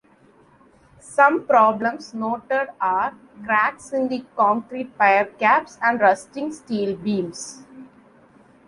Some problems noted are cracks in the concrete pier caps and rusting steel beams.